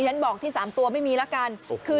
ฉันบอกที่๓ตัวไม่มีละกัน